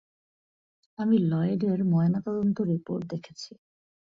আমি লয়েডের ময়নাতদন্ত রিপোর্ট দেখেছি।